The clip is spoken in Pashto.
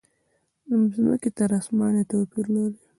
له مځکې تر اسمانه توپیر لري.